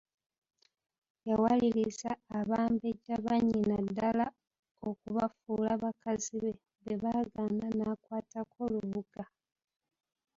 Yawaliriza Abambejja bannyina ddala okubafuula bakazi be, bwe baagaana nakwatako Lubuga.